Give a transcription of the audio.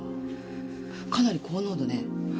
かなり高濃度ね。